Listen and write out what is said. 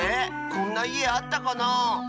こんないえあったかなあ。